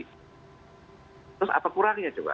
terus apa kurangnya coba